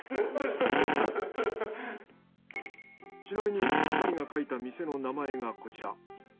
ちなみに２人が書いた店の名前がこちら。